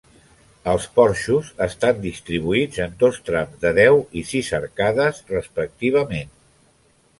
Els porxos estan distribuïts en dos trams de deu i sis arcades respectivament.